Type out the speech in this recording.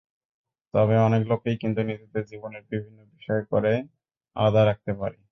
তবে অনেক লোকই কিন্তু নিজেদের জীবনের বিভিন্ন বিষয় করে আলাদা রাখতে পারে।